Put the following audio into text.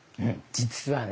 実はね